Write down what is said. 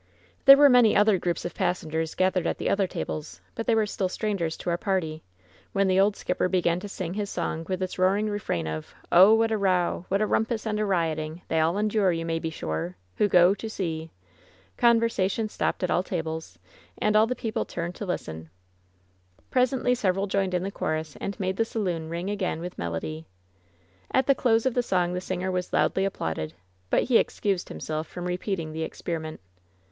There were many other groups of passengers gathered at the other tables, but they we^e still strangers to our party, when the old skipper began to sing his song with its roaring refrain of: ^'Oh! what a row! what a rumpus! and a rioting! They all endure, you may be sure, Who — go — ^to — sea 1" Conversation stopped at all the tables, and all the peo ple turned to listeur. Presently several joined in the chorus and made the aaloon ring again with melody. At the close of the song the singer was loudly ap plauded; but he excused himself from repeating the ex periment.